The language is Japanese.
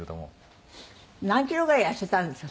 何キロぐらい痩せたんですか？